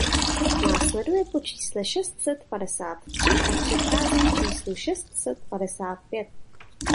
Následuje po čísle šest set padesát tři a předchází číslu šest set padesát pět.